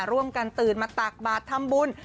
ร่วมกันตื่นมาตากบาตรทำบุญ